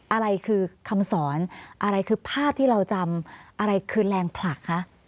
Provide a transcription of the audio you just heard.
อะไรคือคำสอนอะไรคือภาพที่เราจำอะไรคือแรงผลักคะ